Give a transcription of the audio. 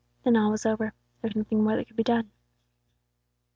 Then all was over; there was nothing more that could be done.